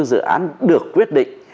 dự án được quyết định